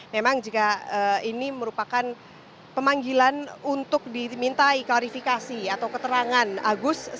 memang jika ini merupakan pemanggilan untuk dimintai klarifikasi atau keterangan agus